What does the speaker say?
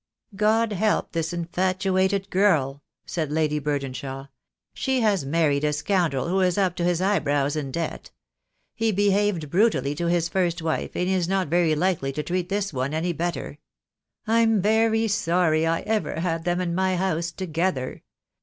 "God help this infatuated girl," said Lady Burden shaw. "She has married a scoundrel who is up to his eyebrows in debt. He behaved brutally to his first wife, and he is not very likely to treat this one any better. I'm very sorry I ever had them in my house together.